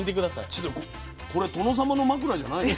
ちょっとこれ殿様の枕じゃないの？